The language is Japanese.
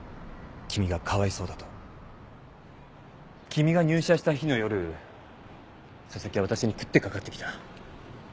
君が入社した日の夜紗崎は私に食って掛かってきた。